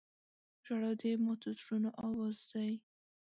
• ژړا د ماتو زړونو اواز دی.